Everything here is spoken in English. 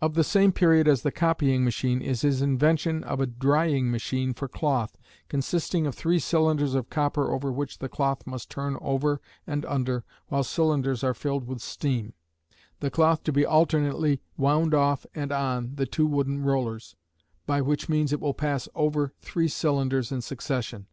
Of the same period as the copying machine is his invention of a drying machine for cloth, consisting of three cylinders of copper over which the cloth must turn over and under while cylinders are filled with steam, the cloth to be alternately wound off and on the two wooden rollers, by which means it will pass over three cylinders in succession.